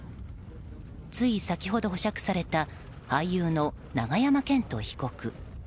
つい先ほど保釈された俳優の永山絢斗被告。